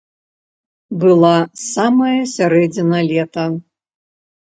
Была самая сярэдзіна лета.